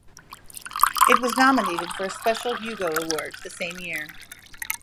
It was nominated for a special Hugo Award that same year.